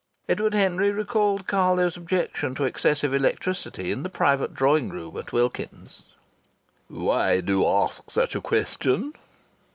Edward Henry recalled Carlo's objection to excessive electricity in the private drawing room at Wilkins's. "Why do you ask such a question?"